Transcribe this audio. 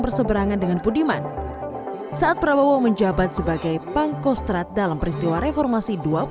berseberangan dengan budiman saat prabowo menjabat sebagai pangkostrat dalam peristiwa reformasi dua puluh lima